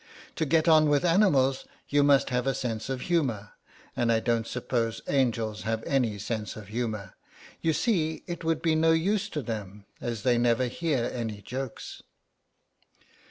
To get on with animals you must have a sense of humour, and I don't suppose angels have any sense of humour; you see it would be no use to them as they never hear any jokes."